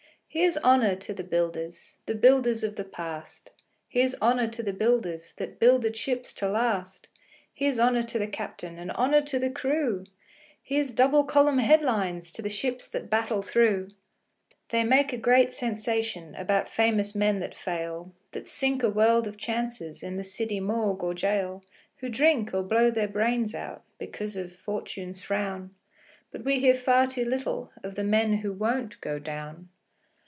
Here's honour to the builders – The builders of the past; Here's honour to the builders That builded ships to last; Here's honour to the captain, And honour to the crew; Here's double column headlines To the ships that battle through. They make a great sensation About famous men that fail, That sink a world of chances In the city morgue or gaol, Who drink, or blow their brains out, Because of "Fortune's frown". But we hear far too little Of the men who won't go down.